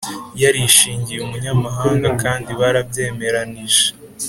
yarishingiye umunyamahanga kandi barabyemeranije